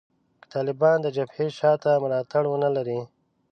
که طالبان د جبهې شا ته ملاتړي ونه لري